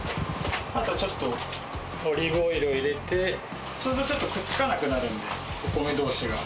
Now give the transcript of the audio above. あとちょっと、オリーブオイルを入れて、ちょっとくっつかなくなるんで、お米どうしが。